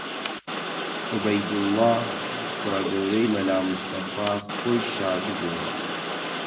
عوبەیدوڵڵا، کوڕە گەورەی مەلا مستەفا خۆی شاردبۆوە